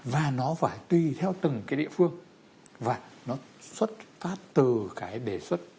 và nó phải tùy theo từng cái địa phương và nó xuất phát từ cái đề xuất